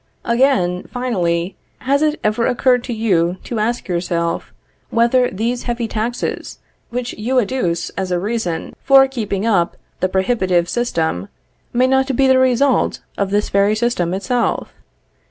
Again, finally, has it ever occurred to you to ask yourself, whether these heavy taxes which you adduce as a reason for keeping up the prohibitive system, may not be the result of this very system itself?